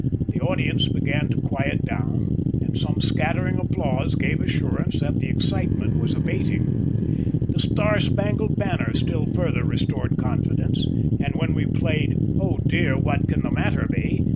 The audience began to quiet down, and some scattering applause gave assurance that the excitement was abating. "The Star Spangled Banner" still further restored confidence, and when we played "Oh Dear, What Can the Matter Be?"